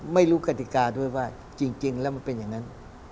ไม่รู้กฎิกาด้วยว่าจริงแล้วมันเป็นอย่างนั้น